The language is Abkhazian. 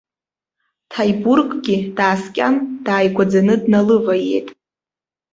Ҭаибурггьы дааскьан дааигәаӡаны дналываиеит.